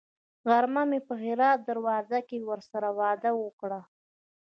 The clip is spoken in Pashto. غرمه مې په هرات دروازه کې ورسره وعده وکړه.